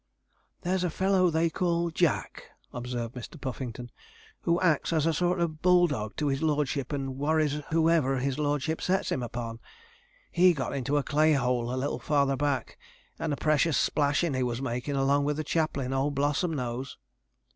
'There's a fellow they call "Jack,"' observed Mr. Puffington, 'who acts as a sort of bulldog to his lordship, and worries whoever his lordship sets him upon. He got into a clay hole a little farther back, and a precious splashing he was making, along with the chaplain, old Blossomnose.'